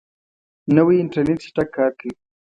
نوی انټرنیټ چټک کار کوي